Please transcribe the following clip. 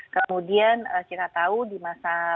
kemudian kita tahu di masa bulan ini